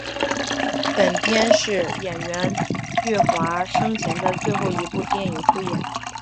本片是演员岳华生前的最后一部电影演出。